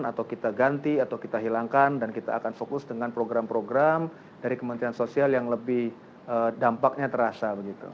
atau kita ganti atau kita hilangkan dan kita akan fokus dengan program program dari kementerian sosial yang lebih dampaknya terasa begitu